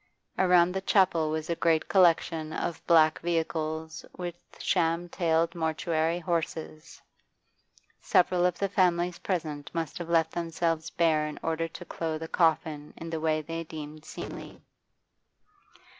Around the chapel was a great collection of black vehicles with sham tailed mortuary horses; several of the families present must have left themselves bare in order to clothe a coffin in the way they deemed seemly.